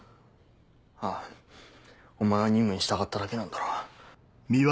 ああお前は任務に従っただけなんだろ？